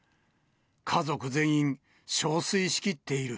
家族全員、しょうすいしきっている。